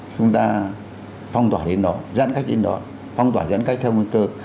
chúng ta phong tỏa đến nó giãn cách đến đó phong tỏa giãn cách theo nguy cơ